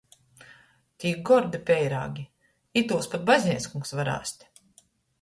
Tik gordi peirāgi, itūs pat bazneickungs var ēst!